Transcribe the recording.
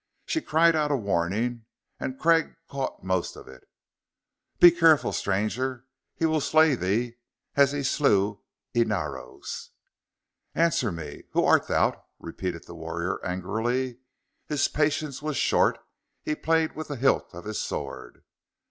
She cried out a warning, and Craig caught most of it. "Be careful, Stranger! He will slay thee as he slew Inaros!" "Answer me! Who art thou?" repeated the warrior angrily. His patience was short; he played with the hilt of his sword.